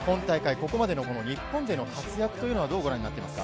ここまでの日本勢の活躍というのは、どうご覧になっていますか？